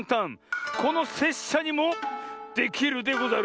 このせっしゃにもできるでござる。